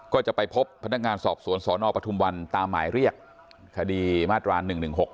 ก็จะไปพบพนักงานสอบสวนสนปทุมวันตามหมายเรียกคดีมาตรา๑๑๖